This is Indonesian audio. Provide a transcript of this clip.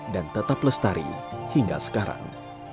dan tetap lestari hingga sekarang